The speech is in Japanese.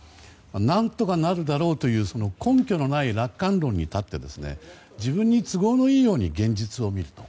何とかなるだろうという根拠のない楽観論に立って自分に都合のいいように現実を見ると。